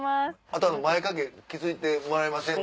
あとは前掛け気付いてもらえません？